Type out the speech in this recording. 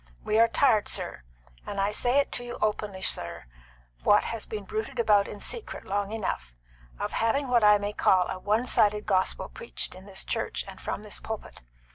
We are tired, sir and I say it to you openly, sir, what has been bruited about in secret long enough of having what I may call a one sided gospel preached in this church and from this pulpit.